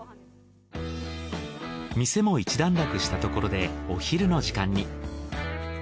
店も一段落したところでお昼の時間に。